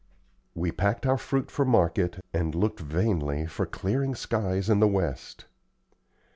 We packed our fruit for market, and looked vainly for clearing skies in the west.